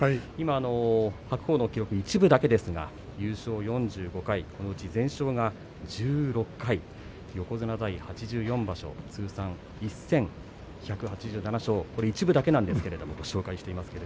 白鵬の記録、一部だけですが優勝４５回このうち全勝が１６回横綱在位８４場所通算１１８７勝これは一部だけなんですがご紹介しています。